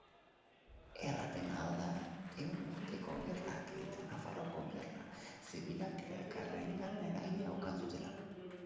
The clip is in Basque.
Erraten ahal da Ehun Urteko Gerlak eta Nafarroako gerla zibilak elkarrengan eragina ukan zutela.